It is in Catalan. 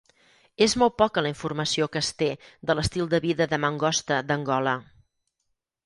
És molt poca la informació que es té de l'estil de vida de mangosta d'Angola.